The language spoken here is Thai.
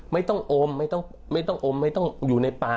ไม่ต้องอมไม่ต้องอมไม่ต้องอยู่ในป่า